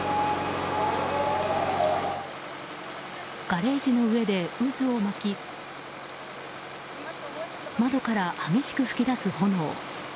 ガレージの上で渦を巻き窓から激しく噴き出す炎。